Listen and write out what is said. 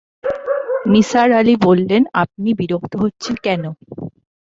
নিসার আলি বললেন, আপনি বিরক্ত হচ্ছেন কেন?